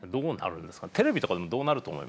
テレビとかどうなると思いますか？